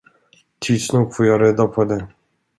Tids nog får jag reda på det.